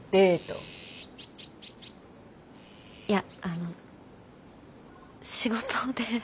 いやあの仕事で。